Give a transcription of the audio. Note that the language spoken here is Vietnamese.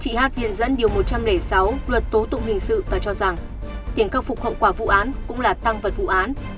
chị hát viện dẫn điều một trăm linh sáu luật tố tụng hình sự và cho rằng tiền khắc phục hậu quả vụ án cũng là tăng vật vụ án